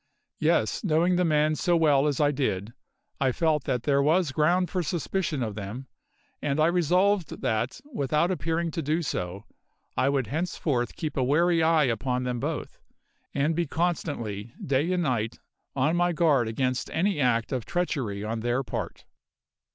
Yes; knowing the men so well as I did, I felt that there was ground for suspicion of them, and I resolved that, without appearing to do so, I would henceforth keep a wary eye upon them both, and be constantly, day and night, on my guard against any act of treachery on their part.